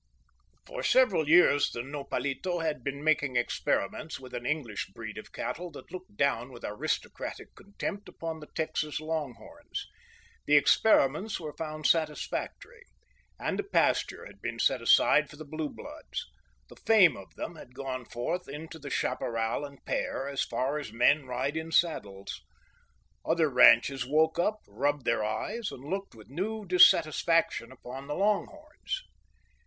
For several years the Nopalito had been making experiments with an English breed of cattle that looked down with aristocratic contempt upon the Texas long horns. The experiments were found satisfactory; and a pasture had been set aside for the blue bloods. The fame of them had gone forth into the chaparral and pear as far as men ride in saddles. Other ranches woke up, rubbed their eyes, and looked with new dissatisfaction upon the long horns.